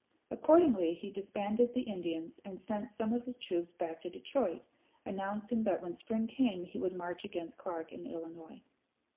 Accordingly he disbanded the Indians and sent some of his troops back to Detroit, announcing that when spring came he would march against Clark in Illinois.